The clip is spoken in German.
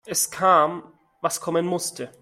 Es kam, was kommen musste.